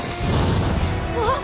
あっ！